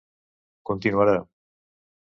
Continuarà...